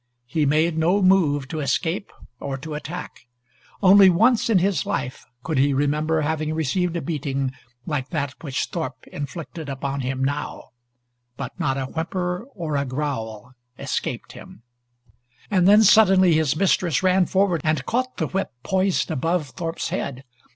He made no move to escape or to attack. Only once in his life could he remember having received a beating like that which Thorpe inflicted upon him now. But not a whimper or a growl escaped him. [Illustration: "Not another blow!"] And then, suddenly, his mistress ran forward and caught the whip poised above Thorpe's head.